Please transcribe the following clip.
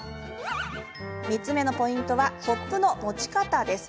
３つ目のポイントはコップの持ち方です。